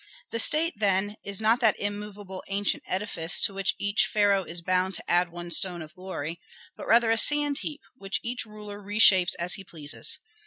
"The state, then, is not that immovable, ancient edifice to which each pharaoh is bound to add one stone of glory, but rather a sand heap, which each ruler reshapes as he pleases.